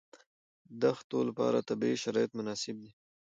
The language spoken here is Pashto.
د دښتو لپاره طبیعي شرایط مناسب دي.